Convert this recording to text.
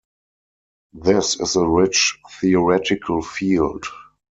This is a rich theoretical field.